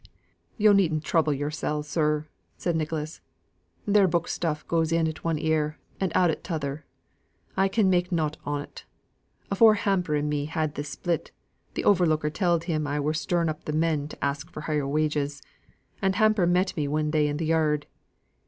"Yo' needn't trouble yoursel', sir," said Nicholas. "Their book stuff goes in at one ear and out at t'other. I can make nought on't. Afore Hamper and me had this split, th' overlooker telled him I were stirring up th' men to ask for higher wages; and Hamper met me one day in th' yard.